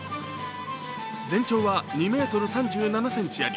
全長は２ｍ３７ｃｍあり